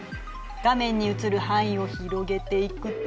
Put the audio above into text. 画面に映る範囲を広げていくと。